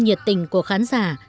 nhiệt tình của khán giả